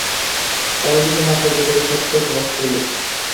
তাই যদি না থাকবে তবে সত্যের রস রইল কী?